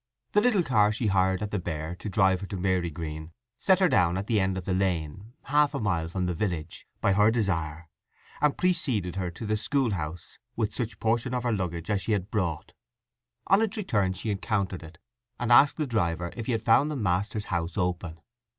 The little car she hired at the Bear to drive her to Marygreen set her down at the end of the lane, half a mile from the village, by her desire, and preceded her to the schoolhouse with such portion of her luggage as she had brought. On its return she encountered it, and asked the driver if he had found the master's house open.